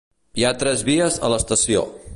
Hi ha tres vies a l'estació.